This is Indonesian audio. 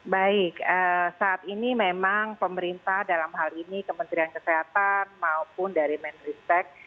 baik saat ini memang pemerintah dalam hal ini kementerian kesehatan maupun dari menristek